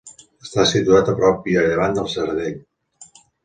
Està situat a prop i a llevant de Serradell.